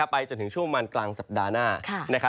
ไปจนถึงช่วงมันกลางสัปดาห์หน้า